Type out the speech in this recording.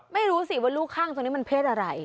ไม่รู้สิว่าลูกข้างตัวนี้มันเพศอะไร